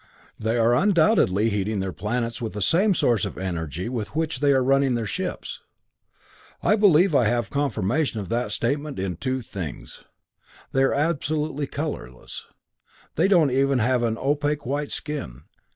They are undoubtedly heating their planets with the same source of energy with which they are running their ships. "I believe I have confirmation of that statement in two things. They are absolutely colorless; they don't even have an opaque white skin.